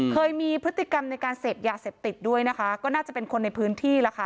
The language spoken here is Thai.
เคยมีพฤติกรรมในการเสพยาเสพติดด้วยนะคะก็น่าจะเป็นคนในพื้นที่ล่ะค่ะ